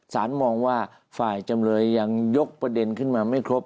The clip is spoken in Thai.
มองว่าฝ่ายจำเลยยังยกประเด็นขึ้นมาไม่ครบ